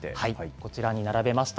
こちらに並べました。